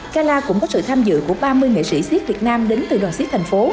gala cũng có sự tham dự của ba mươi nghệ sĩ siết việt nam đến từ đoàn siết tp